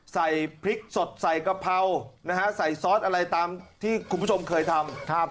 ใส่พริกสดใส่กะเพรานะฮะใส่ซอสอะไรตามที่คุณผู้ชมเคยทำ